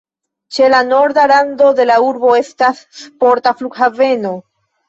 Ĉe la norda rando de la urbo estas sporta flughaveno.